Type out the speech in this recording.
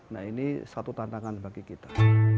nah ini satu tantangan bagi kita